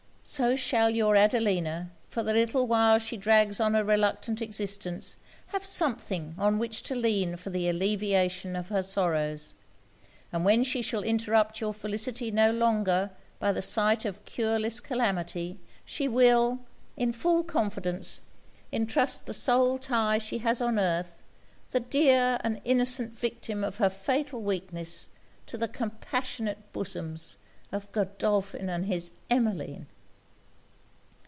So shall your Adelina, for the little while she drags on a reluctant existence, have something on which to lean for the alleviation of her sorrows; and when she shall interrupt your felicity no longer by the sight of cureless calamity, she will, in full confidence, entrust the sole tie she has on earth, the dear and innocent victim of her fatal weakness, to the compassionate bosoms of Godolphin and his Emmeline!'